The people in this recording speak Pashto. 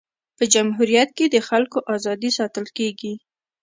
په جمهوریت کي د خلکو ازادي ساتل کيږي.